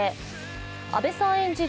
阿部さん演じる